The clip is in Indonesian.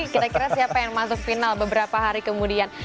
kira kira siapa yang masuk final beberapa hari kemudian